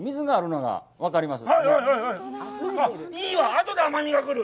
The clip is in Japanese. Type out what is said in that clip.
あとで甘みが広がる。